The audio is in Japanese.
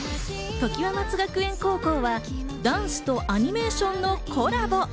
トキワ松学園高校はダンスとアニメーションのコラボ。